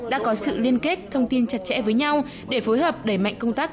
đã có sự liên kết thông tin chặt chẽ với nhau để phối hợp đẩy mạnh công tác